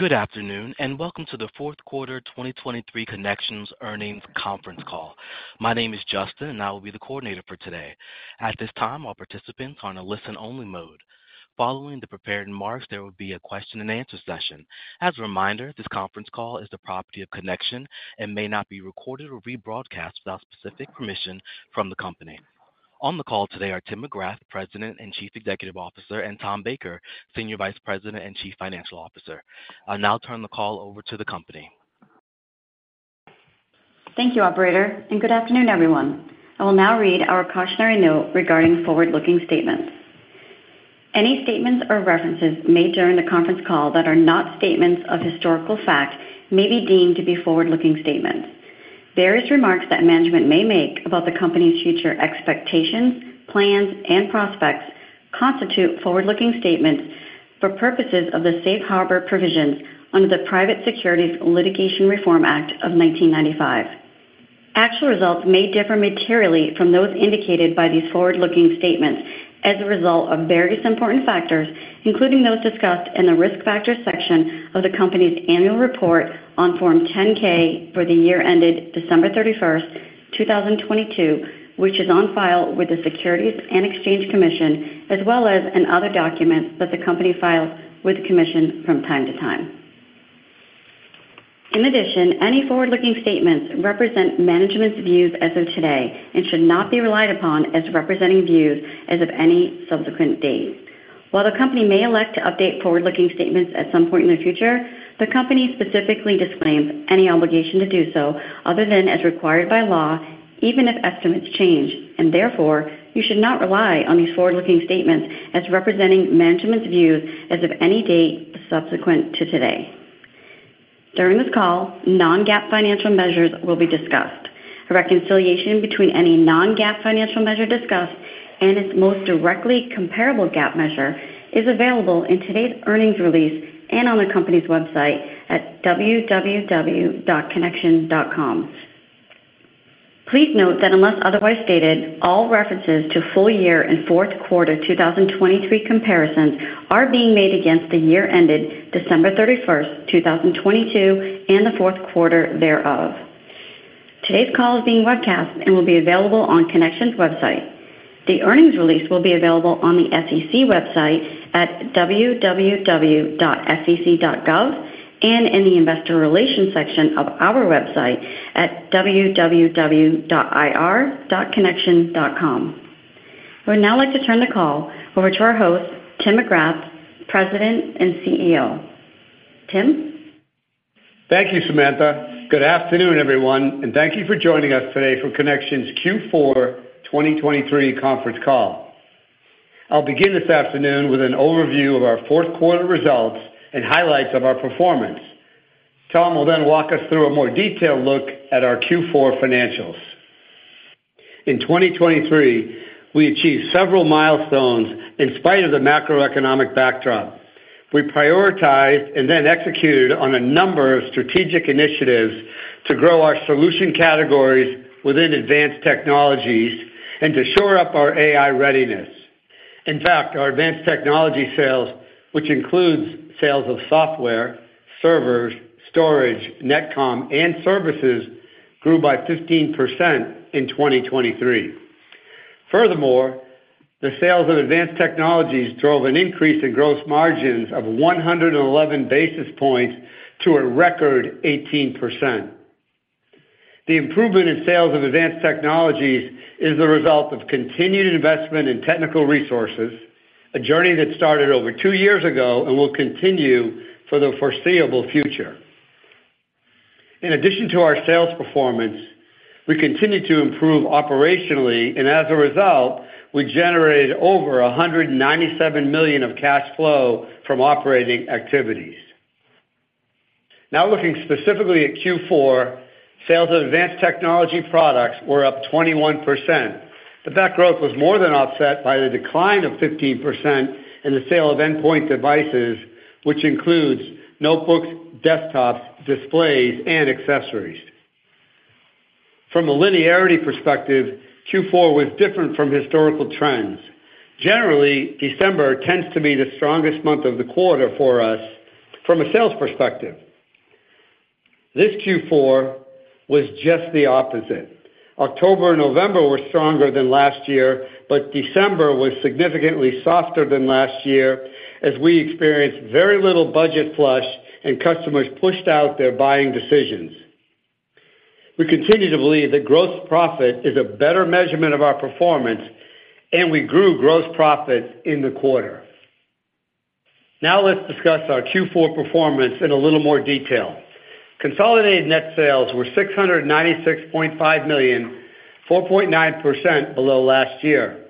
Good afternoon and welcome to the Fourth Quarter 2023 Connection's Earnings Conference Call. My name is Justin, and I will be the coordinator for today. At this time, all participants are in a listen-only mode. Following the prepared remarks, there will be a question-and-answer session. As a reminder, this conference call is the property of Connection and may not be recorded or rebroadcast without specific permission from the company. On the call today are Tim McGrath, President and Chief Executive Officer, and Tom Baker, Senior Vice President and Chief Financial Officer. I'll now turn the call over to the company. Thank you, Operator, and good afternoon, everyone. I will now read our cautionary note regarding forward-looking statements. Any statements or references made during the conference call that are not statements of historical fact may be deemed to be forward-looking statements. Various remarks that management may make about the company's future expectations, plans, and prospects constitute forward-looking statements for purposes of the Safe Harbor provisions under the Private Securities Litigation Reform Act of 1995. Actual results may differ materially from those indicated by these forward-looking statements as a result of various important factors, including those discussed in the Risk Factors section of the company's annual report on Form 10-K for the year ended December 31st, 2022, which is on file with the Securities and Exchange Commission, as well as in other documents that the company files with the commission from time to time. In addition, any forward-looking statements represent management's views as of today and should not be relied upon as representing views as of any subsequent date. While the company may elect to update forward-looking statements at some point in the future, the company specifically disclaims any obligation to do so other than as required by law, even if estimates change, and therefore you should not rely on these forward-looking statements as representing management's views as of any date subsequent to today. During this call, non-GAAP financial measures will be discussed. A reconciliation between any non-GAAP financial measure discussed and its most directly comparable GAAP measure is available in today's earnings release and on the company's website at www.connection.com. Please note that unless otherwise stated, all references to full-year and fourth quarter 2023 comparisons are being made against the year ended December 31st, 2022, and the fourth quarter thereof. Today's call is being broadcast and will be available on Connection's website. The earnings release will be available on the SEC website at www.sec.gov and in the Investor Relations section of our website at www.ir.connection.com. I would now like to turn the call over to our host, Tim McGrath, President and CEO. Tim? Thank you, Samantha. Good afternoon, everyone, and thank you for joining us today for Connection's Q4 2023 conference call. I'll begin this afternoon with an overview of our fourth quarter results and highlights of our performance. Tom will then walk us through a more detailed look at our Q4 financials. In 2023, we achieved several milestones in spite of the macroeconomic backdrop. We prioritized and then executed on a number of strategic initiatives to grow our solution categories within advanced technologies and to shore up our AI readiness. In fact, our advanced technology sales, which includes sales of software, servers, storage, Net/Com, and services, grew by 15% in 2023. Furthermore, the sales of advanced technologies drove an increase in gross margins of 111 basis points to a record 18%. The improvement in sales of advanced technologies is the result of continued investment in technical resources, a journey that started over two years ago and will continue for the foreseeable future. In addition to our sales performance, we continue to improve operationally, and as a result, we generated over $197 million of cash flow from operating activities. Now looking specifically at Q4, sales of advanced technology products were up 21%, but that growth was more than offset by the decline of 15% in the sale of endpoint devices, which includes notebooks, desktops, displays, and accessories. From a linearity perspective, Q4 was different from historical trends. Generally, December tends to be the strongest month of the quarter for us from a sales perspective. This Q4 was just the opposite. October and November were stronger than last year, but December was significantly softer than last year as we experienced very little budget flush and customers pushed out their buying decisions. We continue to believe that gross profit is a better measurement of our performance, and we grew gross profit in the quarter. Now let's discuss our Q4 performance in a little more detail. Consolidated net sales were $696.5 million, 4.9% below last year.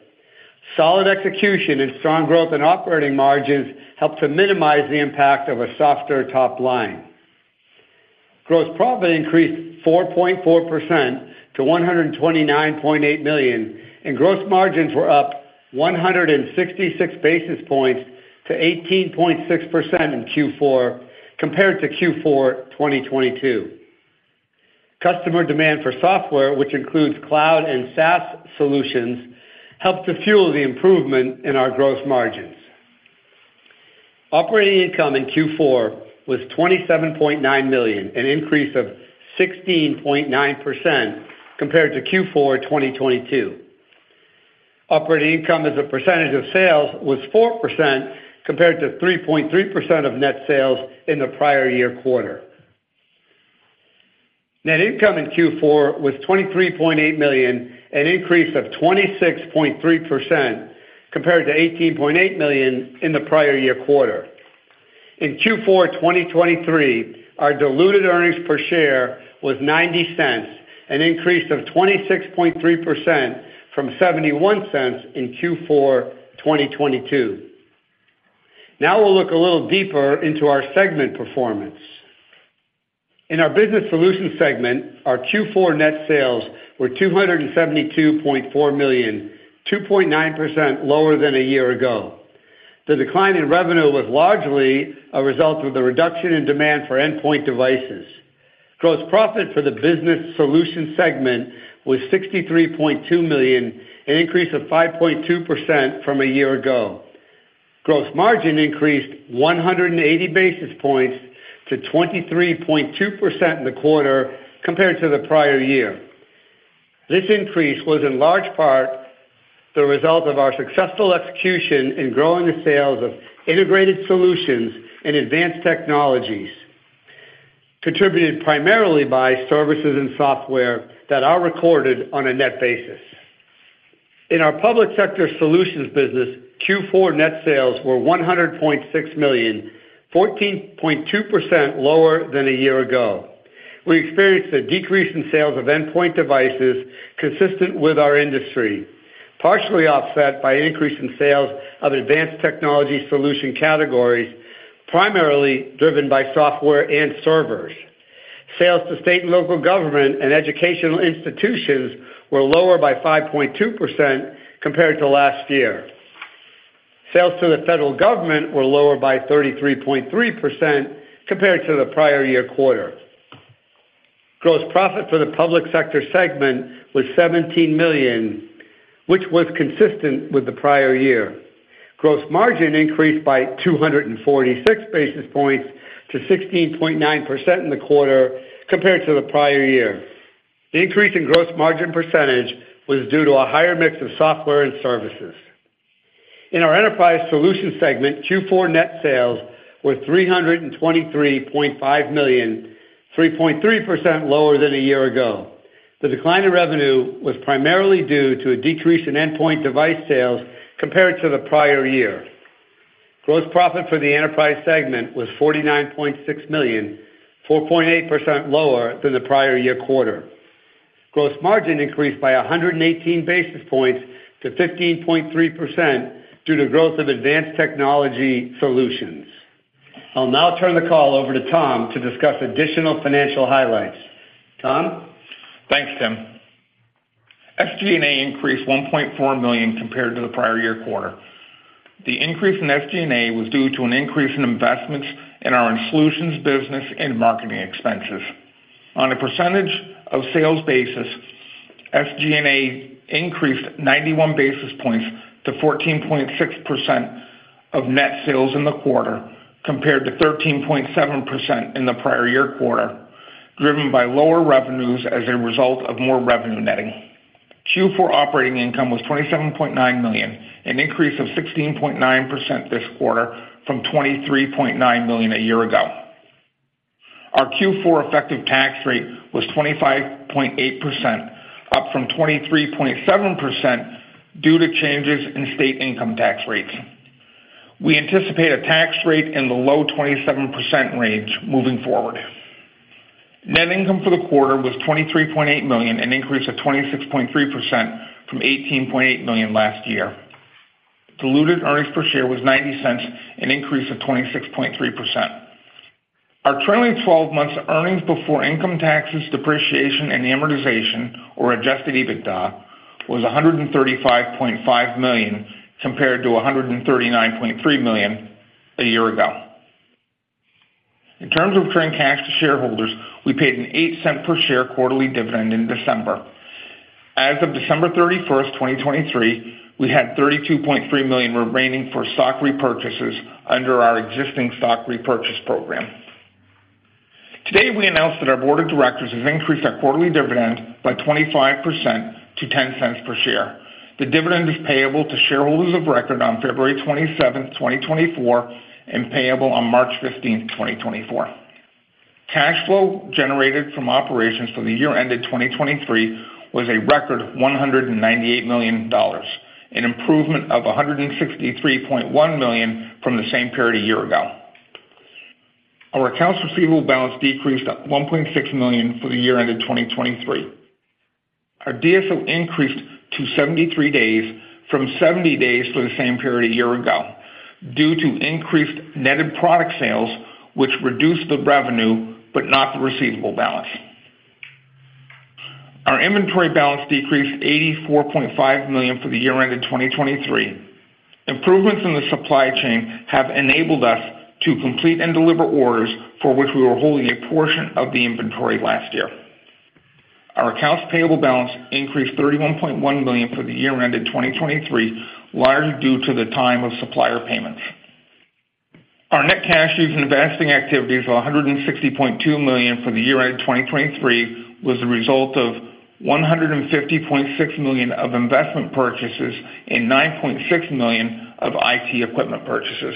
Solid execution and strong growth in operating margins helped to minimize the impact of a softer top line. Gross profit increased 4.4% to $129.8 million, and gross margins were up 166 basis points to 18.6% in Q4 compared to Q4 2022. Customer demand for software, which includes cloud and SaaS solutions, helped to fuel the improvement in our gross margins. Operating income in Q4 was $27.9 million, an increase of 16.9% compared to Q4 2022. Operating income as a percentage of sales was 4% compared to 3.3% of net sales in the prior year quarter. Net income in Q4 was $23.8 million, an increase of 26.3% compared to $18.8 million in the prior year quarter. In Q4 2023, our diluted earnings per share was $0.90, an increase of 26.3% from $0.71 in Q4 2022. Now we'll look a little deeper into our segment performance. In our Business Solutions segment, our Q4 net sales were $272.4 million, 2.9% lower than a year ago. The decline in revenue was largely a result of the reduction in demand for endpoint devices. Gross profit for the Business Solutions segment was $63.2 million, an increase of 5.2% from a year ago. Gross margin increased 180 basis points to 23.2% in the quarter compared to the prior year. This increase was in large part the result of our successful execution in growing the sales of integrated solutions and advanced technologies, contributed primarily by services and software that are recorded on a net basis. In our Public Sector Solutions business, Q4 net sales were $100.6 million, 14.2% lower than a year ago. We experienced a decrease in sales of endpoint devices consistent with our industry, partially offset by an increase in sales of advanced technology solution categories, primarily driven by software and servers. Sales to state and local government and educational institutions were lower by 5.2% compared to last year. Sales to the federal government were lower by 33.3% compared to the prior year quarter. Gross profit for the Public Sector segment was $17 million, which was consistent with the prior year. Gross margin increased by 246 basis points to 16.9% in the quarter compared to the prior year. The increase in gross margin percentage was due to a higher mix of software and services. In our Enterprise Solutions segment, Q4 net sales were $323.5 million, 3.3% lower than a year ago. The decline in revenue was primarily due to a decrease in endpoint device sales compared to the prior year. Gross profit for the Enterprise segment was $49.6 million, 4.8% lower than the prior year quarter. Gross margin increased by 118 basis points to 15.3% due to growth of advanced technology solutions. I'll now turn the call over to Tom to discuss additional financial highlights. Tom? Thanks, Tim. SG&A increased $1.4 million compared to the prior year quarter. The increase in SG&A was due to an increase in investments in our solutions business and marketing expenses. On a percentage of sales basis, SG&A increased 91 basis points to 14.6% of net sales in the quarter compared to 13.7% in the prior year quarter, driven by lower revenues as a result of more revenue netting. Q4 operating income was $27.9 million, an increase of 16.9% this quarter from $23.9 million a year ago. Our Q4 effective tax rate was 25.8%, up from 23.7% due to changes in state income tax rates. We anticipate a tax rate in the low 27% range moving forward. Net income for the quarter was $23.8 million, an increase of 26.3% from $18.8 million last year. Diluted earnings per share was $0.90, an increase of 26.3%. Our trailing 12 months' earnings before income taxes, depreciation, and amortization, or Adjusted EBITDA, was $135.5 million compared to $139.3 million a year ago. In terms of returning cash to shareholders, we paid an $0.08 per share quarterly dividend in December. As of December 31st, 2023, we had $32.3 million remaining for stock repurchases under our existing stock repurchase program. Today, we announced that our board of directors has increased our quarterly dividend by 25% to $0.10 per share. The dividend is payable to shareholders of record on February 27th, 2024, and payable on March 15th, 2024. Cash flow generated from operations for the year ended 2023 was a record $198 million, an improvement of $163.1 million from the same period a year ago. Our accounts receivable balance decreased $1.6 million for the year ended 2023. Our DSO increased to 73 days from 70 days for the same period a year ago due to increased netted product sales, which reduced the revenue but not the receivable balance. Our inventory balance decreased $84.5 million for the year ended 2023. Improvements in the supply chain have enabled us to complete and deliver orders for which we were holding a portion of the inventory last year. Our accounts payable balance increased $31.1 million for the year ended 2023, largely due to the time of supplier payments. Our net cash used in investing activities of $160.2 million for the year ended 2023 was the result of $150.6 million of investment purchases and $9.6 million of IT equipment purchases.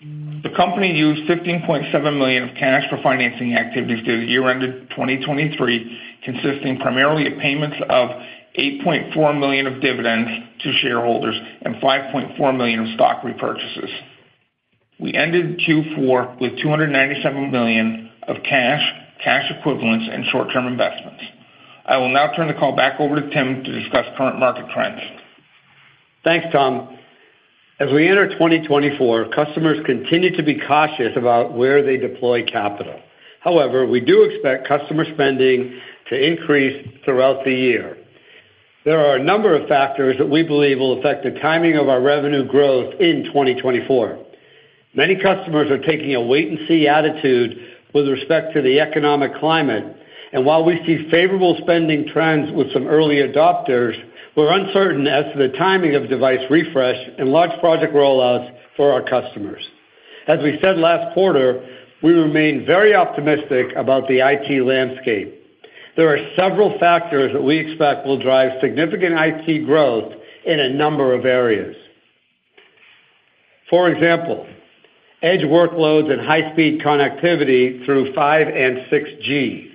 The company used $15.7 million of cash for financing activities through the year ended 2023, consisting primarily of payments of $8.4 million of dividends to shareholders and $5.4 million of stock repurchases. We ended Q4 with $297 million of cash, cash equivalents, and short-term investments. I will now turn the call back over to Tim to discuss current market trends. Thanks, Tom. As we enter 2024, customers continue to be cautious about where they deploy capital. However, we do expect customer spending to increase throughout the year. There are a number of factors that we believe will affect the timing of our revenue growth in 2024. Many customers are taking a wait-and-see attitude with respect to the economic climate, and while we see favorable spending trends with some early adopters, we're uncertain as to the timing of device refresh and large project rollouts for our customers. As we said last quarter, we remain very optimistic about the IT landscape. There are several factors that we expect will drive significant IT growth in a number of areas. For example, edge workloads and high-speed connectivity through 5 and 6G,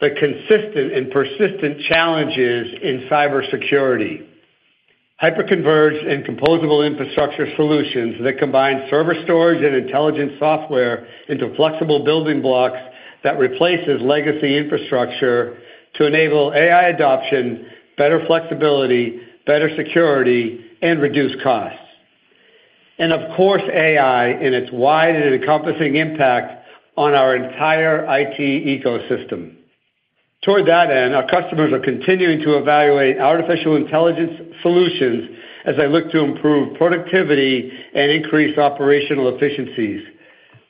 the consistent and persistent challenges in cybersecurity, hyperconverged and composable infrastructure solutions that combine server storage and intelligent software into flexible building blocks that replace legacy infrastructure to enable AI adoption, better flexibility, better security, and reduced costs, and of course, AI in its wide and encompassing impact on our entire IT ecosystem. Toward that end, our customers are continuing to evaluate artificial intelligence solutions as they look to improve productivity and increase operational efficiencies.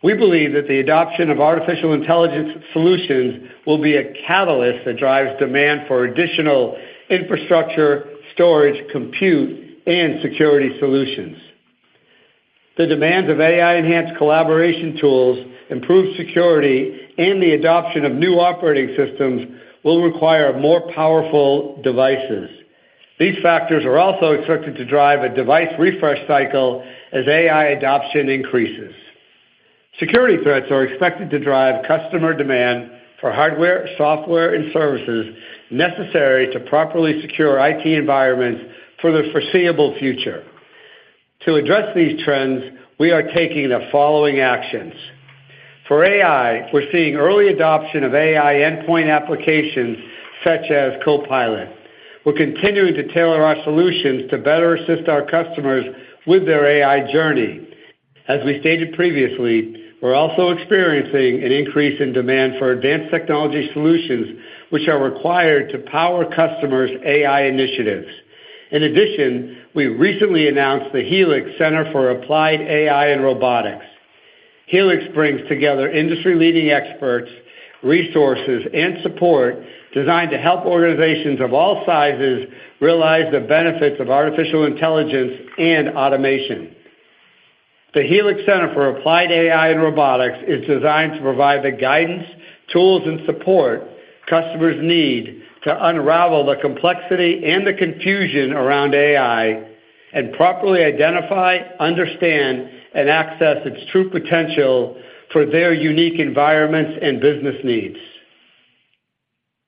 We believe that the adoption of artificial intelligence solutions will be a catalyst that drives demand for additional infrastructure, storage, compute, and security solutions. The demands of AI-enhanced collaboration tools, improved security, and the adoption of new operating systems will require more powerful devices. These factors are also expected to drive a device refresh cycle as AI adoption increases. Security threats are expected to drive customer demand for hardware, software, and services necessary to properly secure IT environments for the foreseeable future. To address these trends, we are taking the following actions. For AI, we're seeing early adoption of AI endpoint applications such as Copilot. We're continuing to tailor our solutions to better assist our customers with their AI journey. As we stated previously, we're also experiencing an increase in demand for advanced technology solutions, which are required to power customers' AI initiatives. In addition, we recently announced the Helix Center for Applied AI and Robotics. Helix brings together industry-leading experts, resources, and support designed to help organizations of all sizes realize the benefits of artificial intelligence and automation. The Helix Center for Applied AI and Robotics is designed to provide the guidance, tools, and support customers need to unravel the complexity and the confusion around AI and properly identify, understand, and access its true potential for their unique environments and business needs.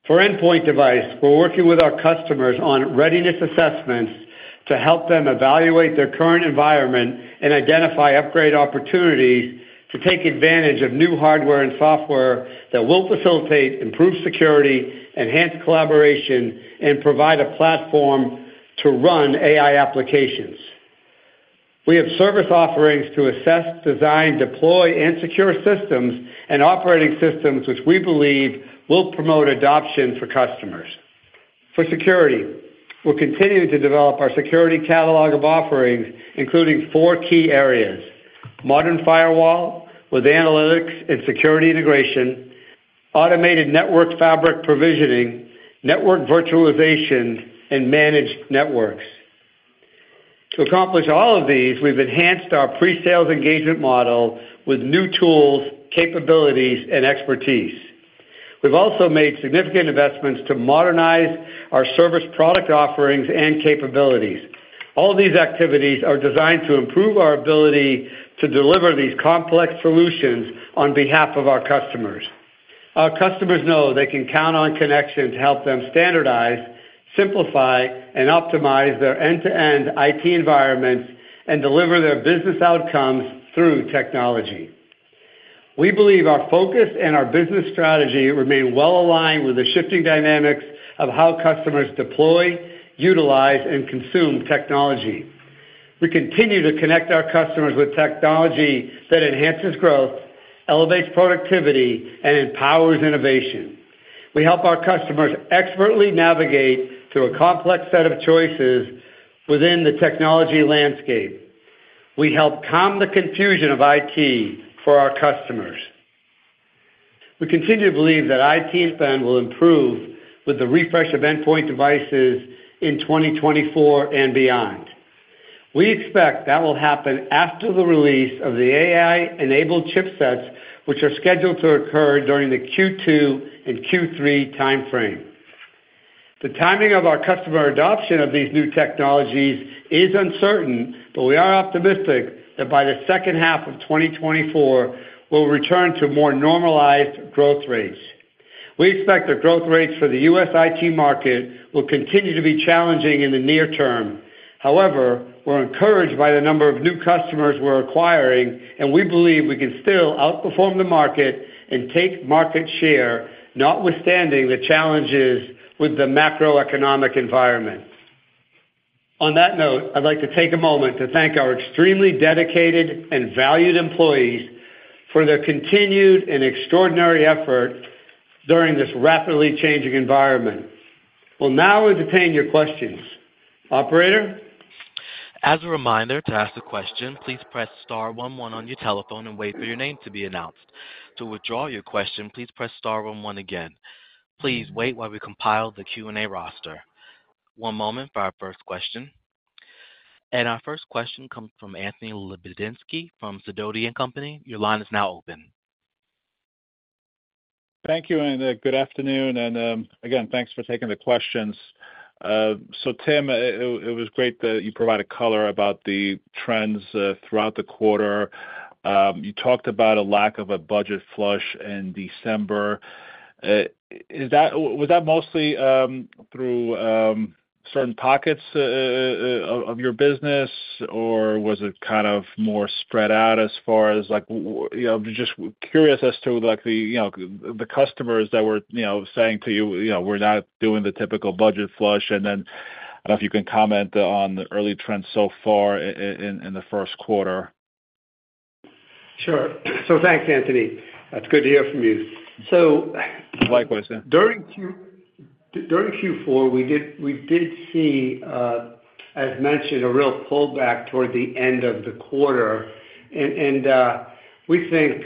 For endpoint device, we're working with our customers on readiness assessments to help them evaluate their current environment and identify upgrade opportunities to take advantage of new hardware and software that will facilitate improved security, enhance collaboration, and provide a platform to run AI applications. We have service offerings to assess, design, deploy, and secure systems and operating systems, which we believe will promote adoption for customers. For security, we're continuing to develop our security catalog of offerings, including four key areas: modern firewall with analytics and security integration, automated network fabric provisioning, network virtualization, and managed networks. To accomplish all of these, we've enhanced our presales engagement model with new tools, capabilities, and expertise. We've also made significant investments to modernize our service product offerings and capabilities. All of these activities are designed to improve our ability to deliver these complex solutions on behalf of our customers. Our customers know they can count on Connection to help them standardize, simplify, and optimize their end-to-end IT environments and deliver their business outcomes through technology. We believe our focus and our business strategy remain well aligned with the shifting dynamics of how customers deploy, utilize, and consume technology. We continue to connect our customers with technology that enhances growth, elevates productivity, and empowers innovation. We help our customers expertly navigate through a complex set of choices within the technology landscape. We help calm the confusion of IT for our customers. We continue to believe that IT spend will improve with the refresh of endpoint devices in 2024 and beyond. We expect that will happen after the release of the AI-enabled chipsets, which are scheduled to occur during the Q2 and Q3 timeframe. The timing of our customer adoption of these new technologies is uncertain, but we are optimistic that by the second half of 2024, we'll return to more normalized growth rates. We expect the growth rates for the U.S. IT market will continue to be challenging in the near term. However, we're encouraged by the number of new customers we're acquiring, and we believe we can still outperform the market and take market share, notwithstanding the challenges with the macroeconomic environment. On that note, I'd like to take a moment to thank our extremely dedicated and valued employees for their continued and extraordinary effort during this rapidly changing environment. We'll now entertain your questions. Operator? As a reminder to ask a question, please press star 11 on your telephone and wait for your name to be announced. To withdraw your question, please press star 11 again. Please wait while we compile the Q&A roster. One moment for our first question. Our first question comes from Anthony Lebiedzinski from Sidoti & Company. Your line is now open. Thank you, and good afternoon. And again, thanks for taking the questions. So, Tim, it was great that you provided color about the trends throughout the quarter. You talked about a lack of a budget flush in December. Was that mostly through certain pockets of your business, or was it kind of more spread out as far as just curious as to the customers that were saying to you, "We're not doing the typical budget flush," and then I don't know if you can comment on the early trends so far in the first quarter? Sure. Thanks, Anthony. It's good to hear from you. Likewise, Tim. During Q4, we did see, as mentioned, a real pullback toward the end of the quarter. We think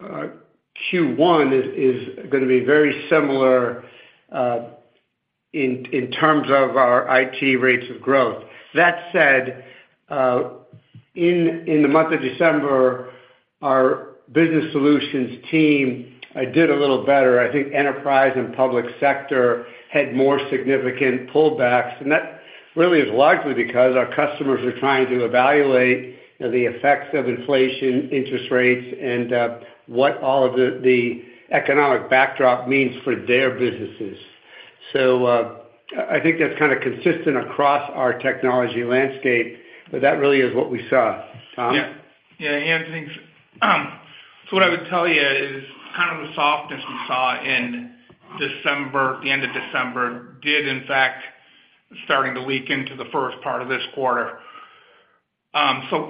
Q1 is going to be very similar in terms of our IT rates of growth. That said, in the month of December, our business solutions team did a little better. I think enterprise and public sector had more significant pullbacks. That really is largely because our customers are trying to evaluate the effects of inflation, interest rates, and what all of the economic backdrop means for their businesses. I think that's kind of consistent across our technology landscape, but that really is what we saw. Tom? Yeah. Yeah, Anthony. So what I would tell you is kind of the softness we saw in December, the end of December, did, in fact, starting to leak into the first part of this quarter. So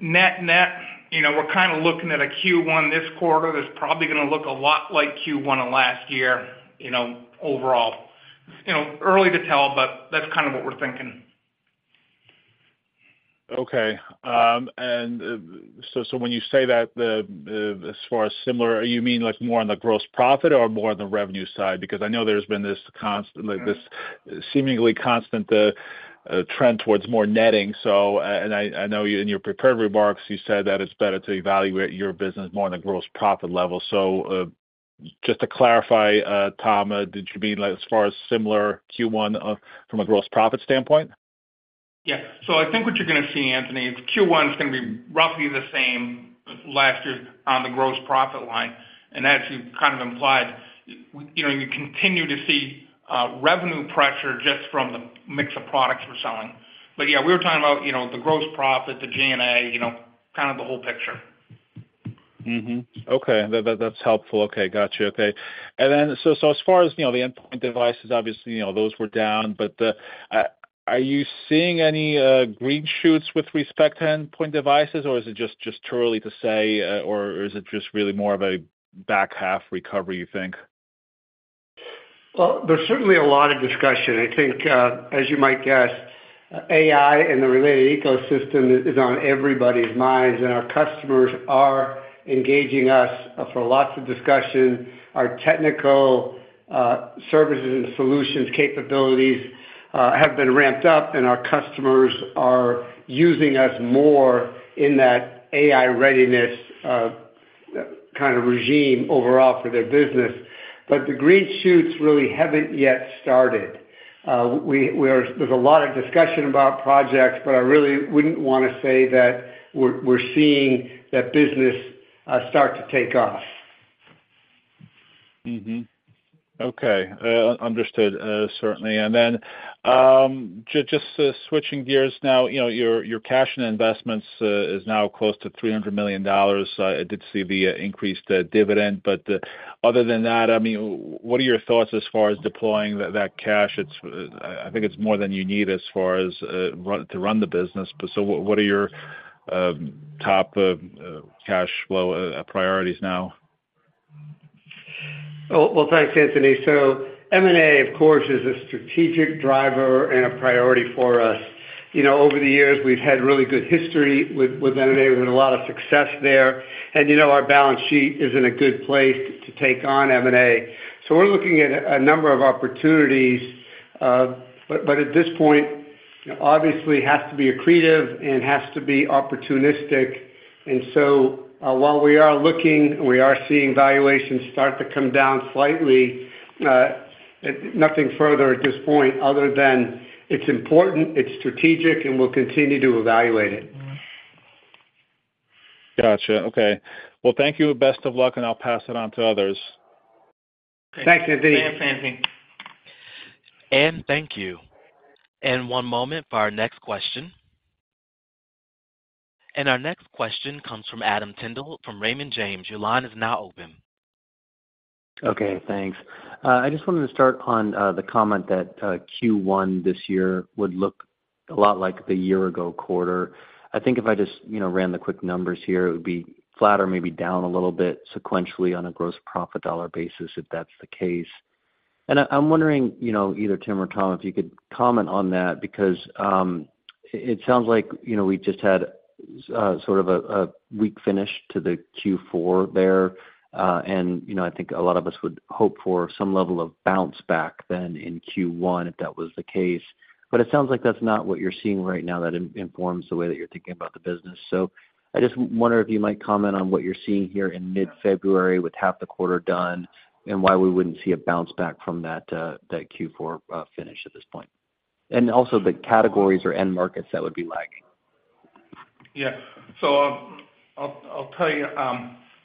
net-net, we're kind of looking at a Q1 this quarter that's probably going to look a lot like Q1 of last year overall. Early to tell, but that's kind of what we're thinking. Okay. And so when you say that as far as similar, you mean more on the gross profit or more on the revenue side? Because I know there's been this seemingly constant trend towards more netting. And I know in your prepared remarks, you said that it's better to evaluate your business more on the gross profit level. So just to clarify, Tom, did you mean as far as similar Q1 from a gross profit standpoint? Yeah. I think what you're going to see, Anthony, is Q1 is going to be roughly the same last year on the gross profit line. As you kind of implied, you continue to see revenue pressure just from the mix of products we're selling. But yeah, we were talking about the gross profit, the G&A, kind of the whole picture. Okay. That's helpful. Okay. Gotcha. Okay. And then so as far as the endpoint devices, obviously, those were down. But are you seeing any green shoots with respect to endpoint devices, or is it just too early to say, or is it just really more of a back half recovery, you think? Well, there's certainly a lot of discussion. I think, as you might guess, AI and the related ecosystem is on everybody's minds, and our customers are engaging us for lots of discussion. Our technical services and solutions capabilities have been ramped up, and our customers are using us more in that AI readiness kind of regime overall for their business. But the green shoots really haven't yet started. There's a lot of discussion about projects, but I really wouldn't want to say that we're seeing that business start to take off. Okay. Understood, certainly. And then just switching gears now, your cash and investments is now close to $300 million. I did see the increased dividend. But other than that, I mean, what are your thoughts as far as deploying that cash? I think it's more than you need as far as to run the business. So what are your top cash flow priorities now? Well, thanks, Anthony. So M&A, of course, is a strategic driver and a priority for us. Over the years, we've had really good history with M&A. We've had a lot of success there. And our balance sheet is in a good place to take on M&A. So we're looking at a number of opportunities. But at this point, obviously, it has to be accretive and has to be opportunistic. And so while we are looking and we are seeing valuations start to come down slightly, nothing further at this point other than it's important, it's strategic, and we'll continue to evaluate it. Gotcha. Okay. Well, thank you. Best of luck, and I'll pass it on to others. Thanks, Anthony. Thanks, Anthony. Anne, thank you. One moment for our next question. Our next question comes from Adam Tindle from Raymond James. Your line is now open. Okay. Thanks. I just wanted to start on the comment that Q1 this year would look a lot like the year-ago quarter. I think if I just ran the quick numbers here, it would be flatter, maybe down a little bit sequentially on a gross profit dollar basis if that's the case. I'm wondering, either Tim or Tom, if you could comment on that because it sounds like we just had sort of a weak finish to the Q4 there. I think a lot of us would hope for some level of bounce back then in Q1 if that was the case. It sounds like that's not what you're seeing right now, that informs the way that you're thinking about the business. So I just wonder if you might comment on what you're seeing here in mid-February with half the quarter done and why we wouldn't see a bounce back from that Q4 finish at this point, and also the categories or end markets that would be lagging? Yeah. So I'll tell you,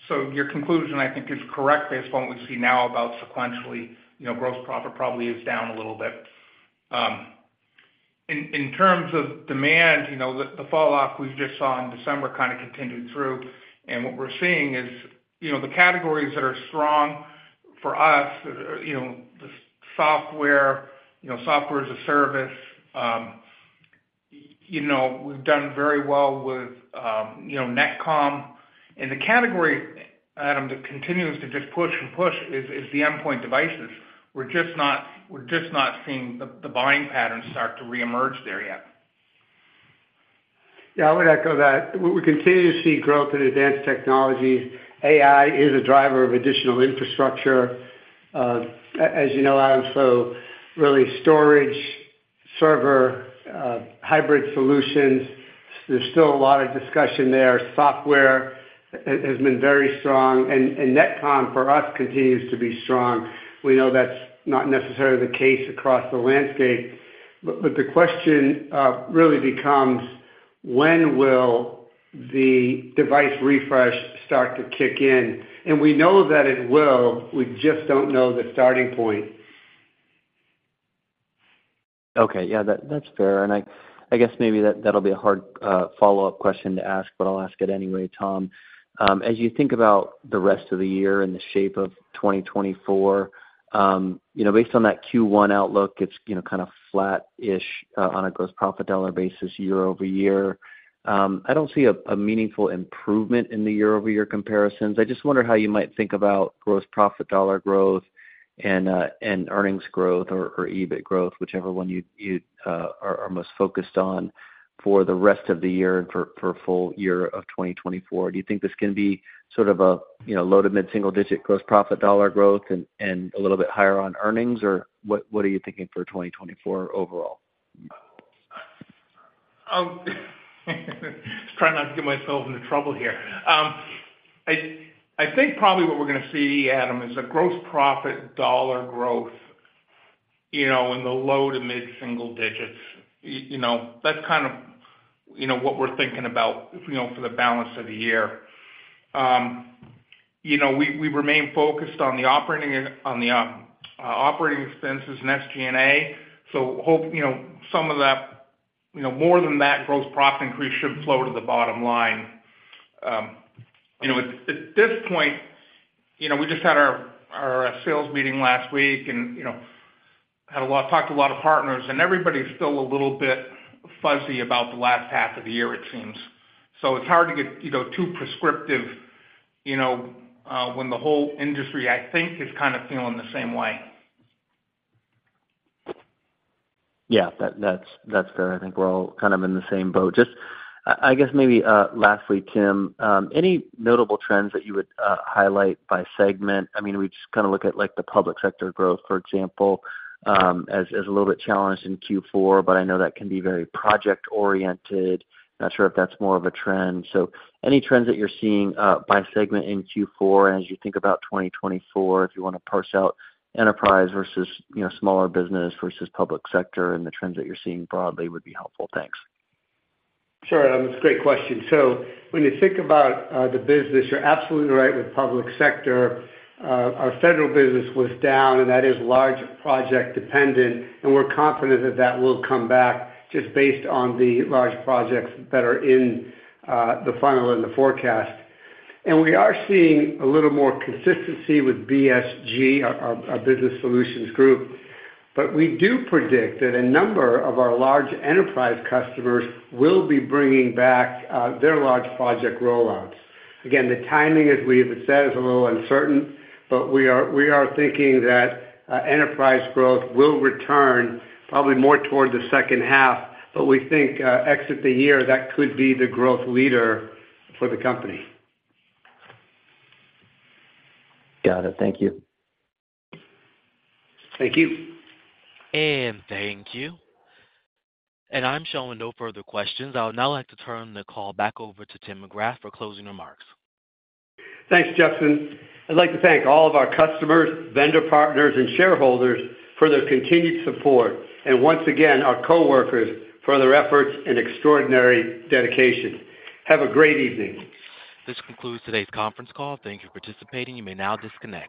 so your conclusion, I think, is correct based upon what we see now about sequentially. Gross profit probably is down a little bit. In terms of demand, the falloff we just saw in December kind of continued through. And what we're seeing is the categories that are strong for us, the software as a service, we've done very well with Net/Com. And the category, Adam, that continues to just push and push is the endpoint devices. We're just not seeing the buying pattern start to reemerge there yet. Yeah. I would echo that. We continue to see growth in advanced technologies. AI is a driver of additional infrastructure, as you know, Adam, so really storage, server, hybrid solutions. There's still a lot of discussion there. Software has been very strong. Net/Com, for us, continues to be strong. We know that's not necessarily the case across the landscape. The question really becomes, when will the device refresh start to kick in? We know that it will. We just don't know the starting point. Okay. Yeah. That's fair. And I guess maybe that'll be a hard follow-up question to ask, but I'll ask it anyway, Tom. As you think about the rest of the year and the shape of 2024, based on that Q1 outlook, it's kind of flat-ish on a gross profit dollar basis year-over-year. I don't see a meaningful improvement in the year-over-year comparisons. I just wonder how you might think about gross profit dollar growth and earnings growth or EBIT growth, whichever one you are most focused on, for the rest of the year and for a full year of 2024. Do you think this can be sort of a low to mid-single-digit gross profit dollar growth and a little bit higher on earnings, or what are you thinking for 2024 overall? I'm trying not to get myself into trouble here. I think probably what we're going to see, Adam, is a gross profit dollar growth in the low to mid-single digits. That's kind of what we're thinking about for the balance of the year. We remain focused on the operating expenses and SG&A. So some of that, more than that gross profit increase, should flow to the bottom line. At this point, we just had our sales meeting last week and talked to a lot of partners. And everybody's still a little bit fuzzy about the last half of the year, it seems. So it's hard to get too prescriptive when the whole industry, I think, is kind of feeling the same way. Yeah. That's fair. I think we're all kind of in the same boat. I guess maybe lastly, Tim, any notable trends that you would highlight by segment? I mean, we just kind of look at the public sector growth, for example, as a little bit challenged in Q4, but I know that can be very project-oriented. Not sure if that's more of a trend. So any trends that you're seeing by segment in Q4 and as you think about 2024, if you want to parse out enterprise versus smaller business versus public sector, and the trends that you're seeing broadly would be helpful. Thanks. Sure. That's a great question. So when you think about the business, you're absolutely right with public sector. Our federal business was down, and that is large project-dependent. And we're confident that that will come back just based on the large projects that are in the funnel and the forecast. And we are seeing a little more consistency with BSG, our Business Solutions Group. But we do predict that a number of our large enterprise customers will be bringing back their large project rollouts. Again, the timing, as we have said, is a little uncertain. But we are thinking that enterprise growth will return probably more toward the second half. But we think exit the year, that could be the growth leader for the company. Got it. Thank you. Thank you. Thank you. I'm showing no further questions. I would now like to turn the call back over to Tim McGrath for closing remarks. Thanks, Justin. I'd like to thank all of our customers, vendor partners, and shareholders for their continued support. And once again, our coworkers for their efforts and extraordinary dedication. Have a great evening. This concludes today's conference call. Thank you for participating. You may now disconnect.